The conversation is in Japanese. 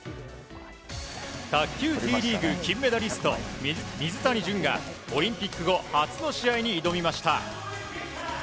卓球Ｔリーグ金メダリスト水谷隼がオリンピック後初の試合に挑みました。